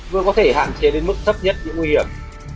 vừa có thể hạn chế đến mức thấp nhất những nguy hiểm